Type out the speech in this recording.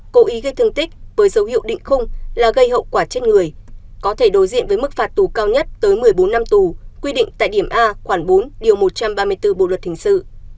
cố ý gây thương tích với dấu hiệu định khung là gây hậu quả chết người có thể đối diện với mức phạt tù cao nhất tới một mươi bốn năm tù quy định tại điểm a khoảng bốn điều một trăm ba mươi bốn bộ luật hình sự